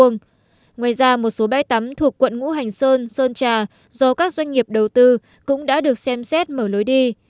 ngoài ra một số bãi tắm thuộc quận ngũ hành sơn sơn trà do các doanh nghiệp đầu tư cũng đã được xem xét mở lối đi